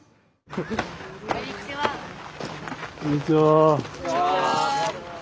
こんにちは。